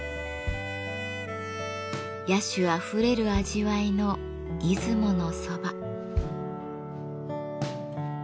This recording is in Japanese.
野趣あふれる味わいの出雲のそば。